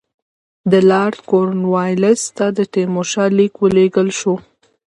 د لارډ کورنوالیس ته د تیمورشاه لیک ولېږل شو.